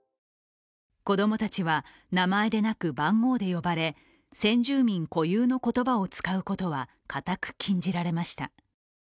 子供たちは名前でなく番号で呼ばれ、先住民固有の言葉を使うことは固く禁じられました。